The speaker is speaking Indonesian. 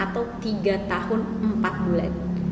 tiga tahun empat bulan